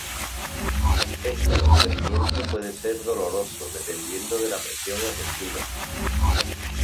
Este procedimiento puede ser doloroso dependiendo de la presión ejercida.